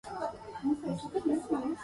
逐步展示過程